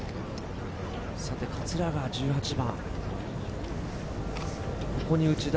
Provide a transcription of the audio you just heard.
桂川、１８番。